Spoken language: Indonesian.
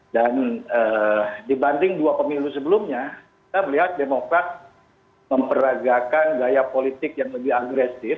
dan dibanding dua pemilu sebelumnya kita melihat demokrat memperagakan gaya politik yang lebih agresif